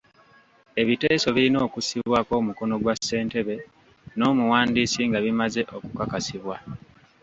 Ebiteeso birina okussibwako omukono gwa ssentebe n'omuwandiisi nga bimaze okukakasibwa.